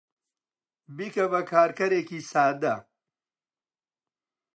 بیکە بە کارگەرێکی سادە.